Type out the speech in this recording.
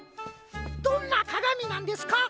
どんなかがみなんですか？